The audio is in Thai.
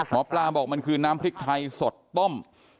หมอปลาบอกมันคือน้ำพริกไทยสดต้ม